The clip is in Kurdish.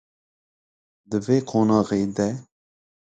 Di vê qonaxê de